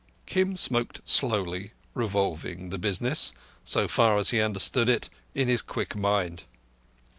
Kim smoked slowly, revolving the business, so far as he understood it, in his quick mind.